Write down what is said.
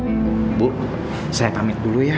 ibu saya pamit dulu ya